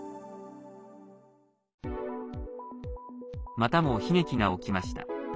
またも悲劇が起きました。